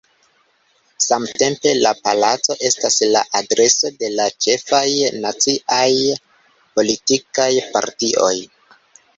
Samtempe la palaco estas la adreso de la ĉefaj naciaj politikaj partioj.